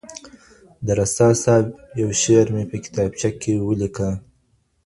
د رسا صاحب يو شعر مي په کتابچه کي وليکه.